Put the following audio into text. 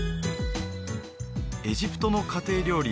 エジプトの家庭料理